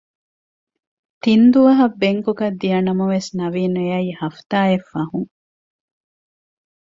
ތިންދުވަހަށް ބެންކޮކަށް ދިޔަނަމަވެސް ނަވީން އެއައީ ހަފްތާއެއް ފަހުން